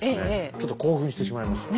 ちょっと興奮してしまいました。